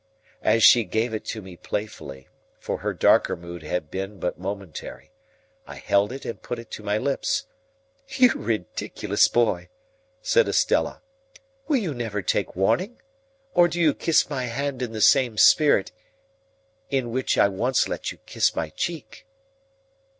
As she gave it to me playfully,—for her darker mood had been but momentary—I held it and put it to my lips. "You ridiculous boy," said Estella, "will you never take warning? Or do you kiss my hand in the same spirit in which I once let you kiss my cheek?"